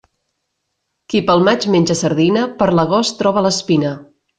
Qui pel maig menja sardina per l'agost troba l'espina.